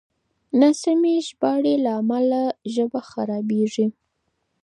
د ناسمې ژباړې له امله ژبه خرابېږي.